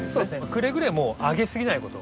くれぐれもあげすぎないこと。